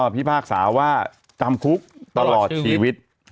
พิพากษาว่าจำคุกตลอดชีวิต